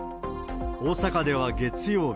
大阪では月曜日。